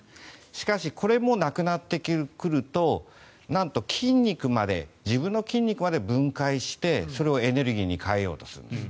しかしこれもなくなってくるとなんと自分の筋肉まで分解してそれをエネルギーに変えようとするんです。